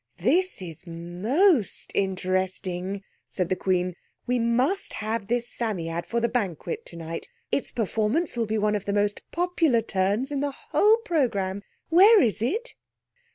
"This is most interesting," said the Queen. "We must have this Psammead for the banquet tonight. Its performance will be one of the most popular turns in the whole programme. Where is it?"